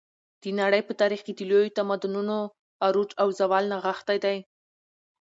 د نړۍ په تاریخ کې د لویو تمدنونو عروج او زوال نغښتی دی.